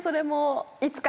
「いつか」！